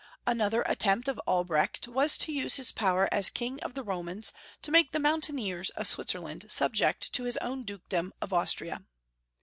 Another attempt of Albrecht was to use his power as King of the Romans to make the mountain eers of Switzerland subject to his own dukedom of Austria.